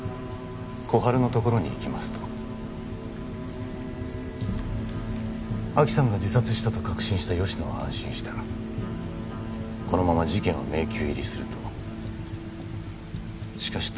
「心春のところに行きます」と亜希さんが自殺したと確信した吉乃は安心したこのまま事件は迷宮入りするとしかし友果さんの事件によって